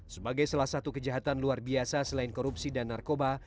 sebagai salah satu kejahatan luar biasa selain korupsi dan narkoba